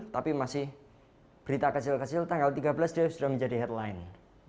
tapi masih berita kecil kecil tanggal tiga belas dia sudah menjadi headline